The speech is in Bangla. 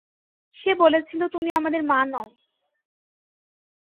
সে বলেছিল তুমি আমাদের মা নও।